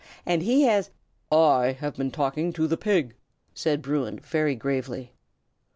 And he has " "I have been talking to the pig," said Bruin, very gravely.